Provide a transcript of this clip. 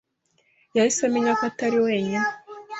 yahise amenya ko atari wenyine.